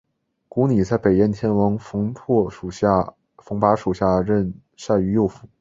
古泥在北燕天王冯跋属下任单于右辅。